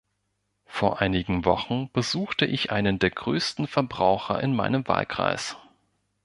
Vor einigen Wochen besuchte ich einen der größten Verbraucher in meinem Wahlkreis.